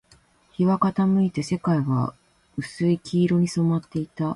日は傾いて、世界は薄い黄色に染まっていた